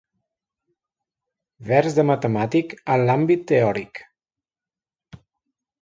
Vers de matemàtic en l'àmbit teòric.